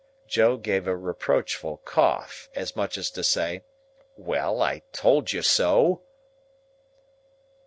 Joe gave a reproachful cough, as much as to say, "Well, I told you so."